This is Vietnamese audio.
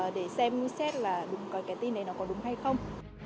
để xem mua xét là cái tin đấy nó có đúng hay không